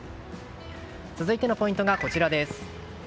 続いてのポイントはこちら。